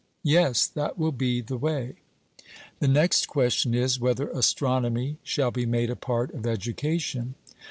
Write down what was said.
'Yes; that will be the way.' The next question is, whether astronomy shall be made a part of education.